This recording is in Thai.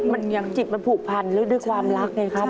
มันยังจิตมันผูกพันแล้วด้วยความรักไงครับ